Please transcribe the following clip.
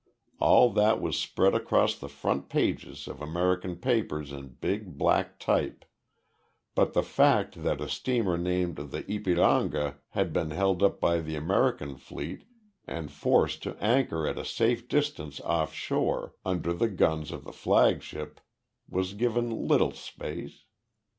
All that was spread across the front pages of American papers in big black type but the fact that a steamer named the Ypiranga had been held up by the American fleet and forced to anchor at a safe distance offshore, under the guns of the flagship, was given little space.